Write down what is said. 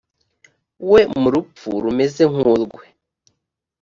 we mu rupfu rumeze nk urwe